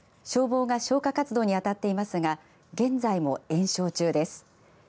消防が消火活動に当たっていますが現在も延焼中です。